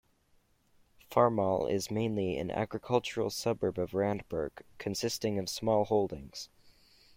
Farmall is mainly an agricultural suburb of Randburg, consisting of small holdings.